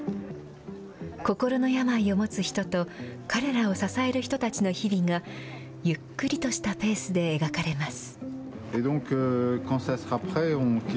心の病を持つ人と、彼らを支える人たちの日々が、ゆっくりとしたペースで描かれます。